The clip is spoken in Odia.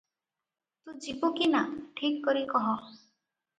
ତୁ ଯିବୁ କି ନାଁ, ଠିକ୍ କରି କହ ।